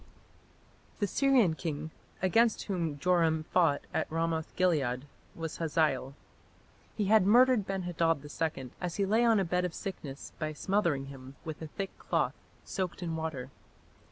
The Syrian king against whom Joram fought at Ramoth gilead was Hazael. He had murdered Ben hadad II as he lay on a bed of sickness by smothering him with a thick cloth soaked in water.